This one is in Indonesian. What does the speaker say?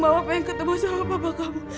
mama pengen ketemu sama papa kamu